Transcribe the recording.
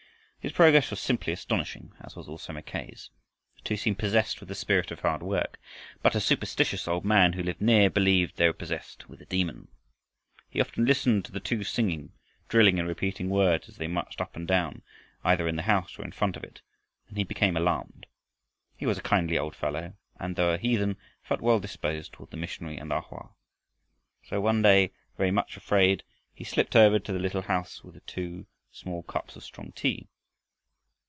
His progress was simply astonishing, as was also Mackay's. The two seemed possessed with the spirit of hard work. But a superstitious old man who lived near believed they were possessed with a demon. He often listened to the two singing, drilling, and repeating words as they marched up and down, either in the house or in front of it, and he became alarmed. He was a kindly old fellow, and, though a heathen, felt well disposed toward the missionary and A Hoa. So one day, very much afraid, he slipped over to the little house with two small cups of strong tea.